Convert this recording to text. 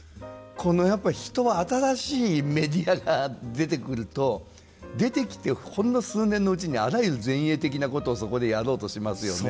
このやっぱ人は新しいメディアが出てくると出てきてほんの数年のうちにあらゆる前衛的なことをそこでやろうとしますよね。